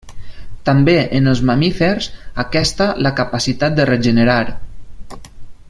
També en els mamífers aquesta la capacitat de regenerar.